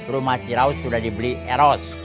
rumah siraut sudah dibeli eros